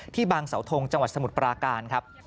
บางเสาทงจังหวัดสมุทรปราการครับ